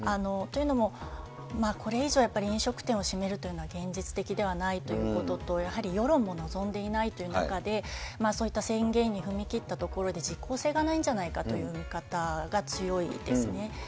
というのも、これ以上やっぱり飲食店を閉めるというのは現実的ではないということと、やはり世論も望んでいないという中で、そういった宣言に踏み切ったところで、実効性がないんじゃないかという見方が強いですね。